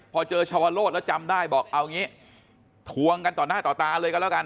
พอเจอชาวโลศแล้วจำได้บอกเอางี้ทวงกันต่อหน้าต่อตาเลยกันแล้วกัน